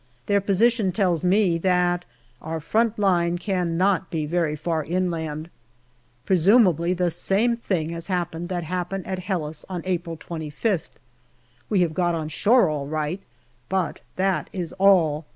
Their position tells me that our front line cannot be very far inland. Presumably the same thing has happened that happened at Helles on April 25th. We have got on shore all right, but that is all.